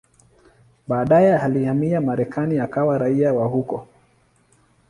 Baadaye alihamia Marekani akawa raia wa huko.